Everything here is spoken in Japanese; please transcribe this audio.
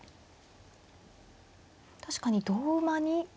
確かに同馬に。